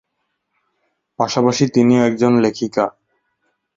পাশাপাশি তিনি একজন লেখিকা।